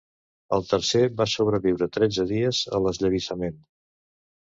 El tercer va sobreviure tretze dies a l'esllavissament.